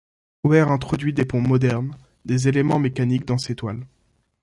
Weir introduit des ponts modernes, des éléments mécaniques dans ses toiles.